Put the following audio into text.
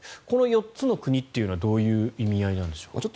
この４つの国というのはどういう意味合いなんでしょうか。